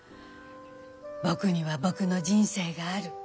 「僕には僕の人生がある。